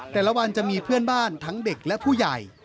แต่ละวันจะมีเพื่อนบ้านทั้งเด็กและผู้ใหญ่